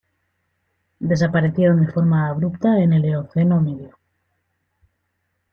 Desaparecieron de forma abrupta en el Eoceno Medio.